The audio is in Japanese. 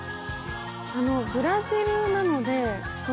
あのブラジルなので。